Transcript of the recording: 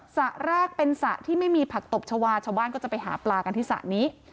สระแรกเป็นสระที่ไม่มีผักตบชาวาชาวบ้านก็จะไปหาปลากันที่สระนี้